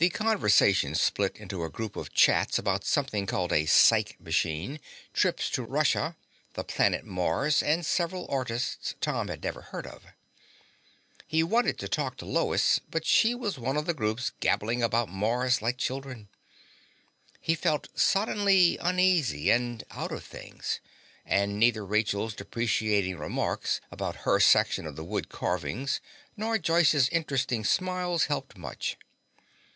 The conversation split into a group of chats about something called a psych machine, trips to Russia, the planet Mars, and several artists Tom had never heard of. He wanted to talk to Lois, but she was one of the group gabbling about Mars like children. He felt suddenly uneasy and out of things, and neither Rachel's deprecating remarks about her section of the wood carvings nor Joyce's interesting smiles helped much.